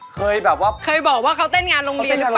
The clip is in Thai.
เคยบอกว่าเขาเต้นงานโรงเรียนหรือเปล่า